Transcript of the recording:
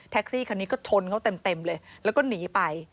ซี่คันนี้ก็ชนเขาเต็มเลยแล้วก็หนีไป